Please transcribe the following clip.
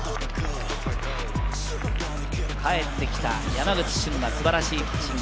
帰ってきた山口俊が素晴らしいピッチング。